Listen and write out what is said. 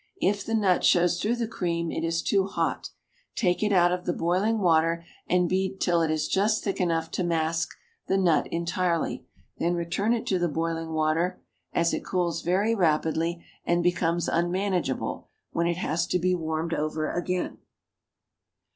If the nut shows through the cream it is too hot; take it out of the boiling water and beat till it is just thick enough to mask the nut entirely, then return it to the boiling water, as it cools very rapidly and becomes unmanageable, when it has to be warmed over again.